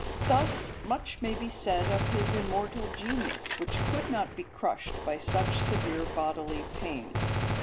Thus much may be said of his immortal genius, which could not be crushed by such severe bodily pains.